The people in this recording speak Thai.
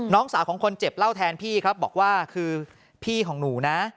น้องสาวของคนเจ็บเล่าแทนพี่ครับบอกว่าคือพี่ของหนูนะ